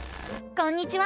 こんにちは！